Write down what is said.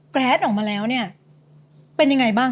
แกรดออกมาแล้วเนี่ย